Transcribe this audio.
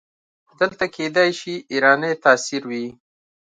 دلته کیدای شي ایرانی تاثیر وي.